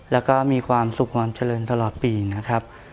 แล้วก็มีความสุขความเจริญตลอดปีนะครับ